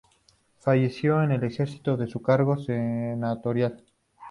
Falleció en en el ejercicio de su cargo senatorial.